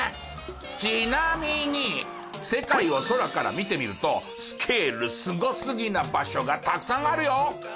ちなみに世界を空から見てみるとスケールすごすぎな場所がたくさんあるよ！